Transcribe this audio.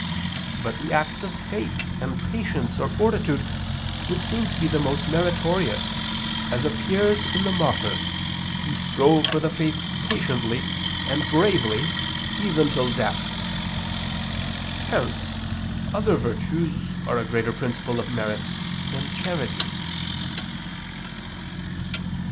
But the acts of faith and patience or fortitude would seem to be the most meritorious, as appears in the martyrs, who strove for the faith patiently and bravely even till death. Hence other virtues are a greater principle of merit than charity.